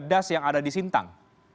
das yang ada di sintang